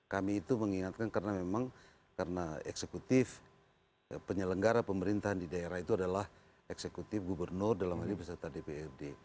kami itu mengingatkan karena memang karena eksekutif penyelenggara pemerintahan di daerah itu adalah eksekutif gubernur dalam hal ini beserta dprd